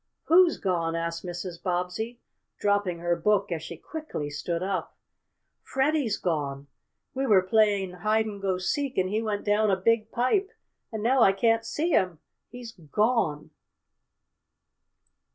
"Who's gone?" asked Mrs. Bobbsey, dropping her book as she quickly stood up. "Freddie's gone! We were playing hide and go seek, and he went down a big pipe, and now I can't see him! He's gone!"